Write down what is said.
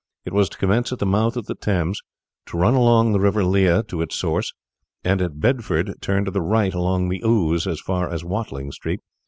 It was to commence at the mouth of the Thames, to run along the river Lea to its source, and at Bedford turn to the right along the Ouse as far as Watling Street.